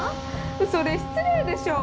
それ失礼でしょ！